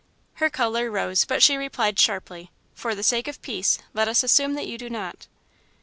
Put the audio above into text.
Her colour rose, but she replied, sharply: "For the sake of peace, let us assume that you do not."